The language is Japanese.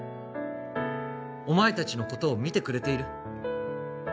お前達のことを見てくれている